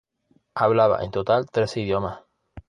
Hablaba en total trece idiomas.